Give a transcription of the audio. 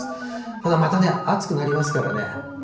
ただまたね、暑くなりますからね。